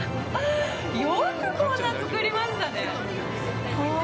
よくこんなの造りましたね。